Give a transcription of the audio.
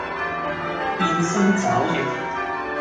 變生肘腋